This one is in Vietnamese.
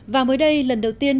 và mới đây lần đầu tiên